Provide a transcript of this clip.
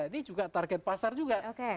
ini juga target pasar juga